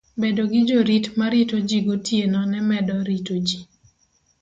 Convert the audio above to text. Bedo gi jorit ma rito ji gotieno ne medo rito ji.